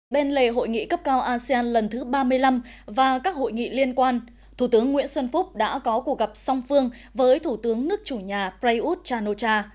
bên lề hội nghị cấp cao asean lần thứ ba mươi năm và các hội nghị liên quan thủ tướng nguyễn xuân phúc đã có cuộc gặp song phương với thủ tướng nước chủ nhà prayuth chan o cha